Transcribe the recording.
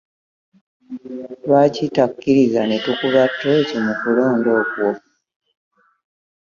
Lwaki takkiriza ne tukuba ttooci mu kulonda okwo?